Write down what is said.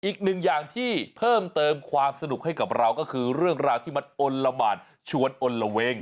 อีกหนึ่งอย่างที่เพิ่มเติมความสนุกให้กับเราก็คือเรื่องราวที่มันอลละหมานชวนอลละเวง